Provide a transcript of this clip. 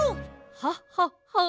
ハッハッハ！